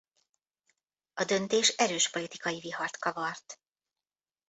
A döntés erős politikai vihart kavart.